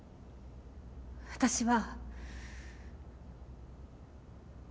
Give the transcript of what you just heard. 私は。